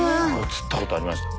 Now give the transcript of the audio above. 釣ったことありました。